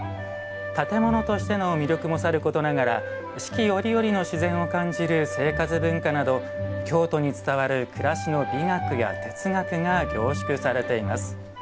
建物としての魅力もさることながら四季折々の自然を感じる生活文化など京都に伝わる暮らしの美学や哲学が凝縮されています。